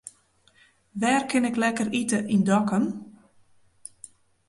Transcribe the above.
Wêr kin ik lekker ite yn Dokkum?